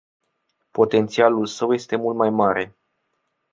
Potențialul său este mult mai mare.